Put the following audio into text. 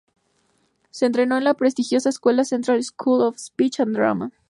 Se entrenó en la prestigiosa escuela "Central School of Speech and Drama".